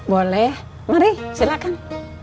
boleh mari silakan